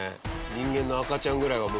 人間の赤ちゃんぐらいは、もう。